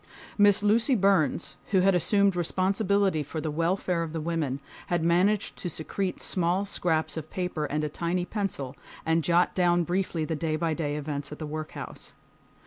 Miss Lucy Burns, who had assumed responsibility for the welfare of the women, had managed to secrete small scraps of paper and a tiny pencil, and jot down briefly the day by day events at the workhouse.